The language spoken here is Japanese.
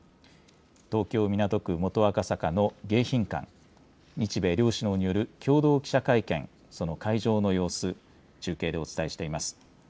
東京・港区元赤坂の迎賓館、日米両首脳による共同記者会見、その会場の様子、中継でお伝えしています。